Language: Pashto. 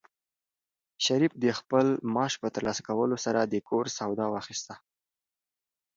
شریف د خپل معاش په ترلاسه کولو سره د کور سودا واخیسته.